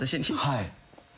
はい。